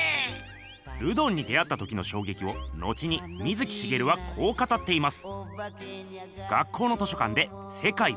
ルドンに出会った時のしょうげきを後に水木しげるはこう語っています。